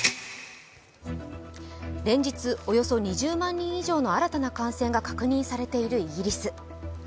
連日、およそ２０万人以上の新たな感染が確認されているイギリス。